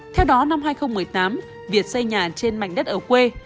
theo đó năm hai nghìn một mươi tám việt xây nhà trên mảnh đất ở quê